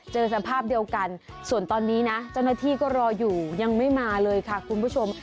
เจอสภาพเดียวกันส่วนตอนนี้นะเจ้าหน้าที่ก็รออยู่ยังไม่มาเลยค่ะคุณผู้ชม